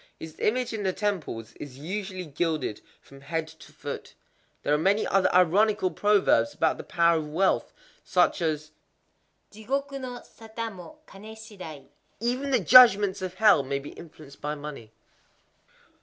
His image in the temples is usually gilded from head to foot.—There are many other ironical proverbs about the power of wealth,—such as Jigoku no sata mo kané shidai: "Even the Judgments of Hell may be influenced by money."